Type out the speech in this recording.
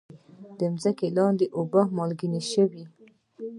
د ځمکې لاندې اوبه مالګینې شوي؟